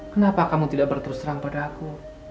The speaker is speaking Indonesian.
kenapa kamu tidak berterus terang pada aku